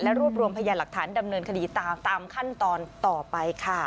รวบรวมพยานหลักฐานดำเนินคดีตามขั้นตอนต่อไปค่ะ